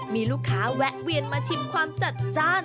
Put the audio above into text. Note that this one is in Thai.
มีลูกค้าแวะเวียนมาชิมความจัดจ้าน